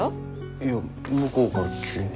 いや向こうから急に。